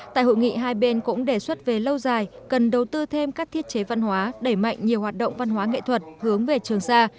tại hội nghị hai bên cũng đề xuất về lâu dài cần đầu tư thêm các thiết chế văn hóa đẩy mạnh nhiều hoạt động văn hóa nghệ thuật hướng về trường sa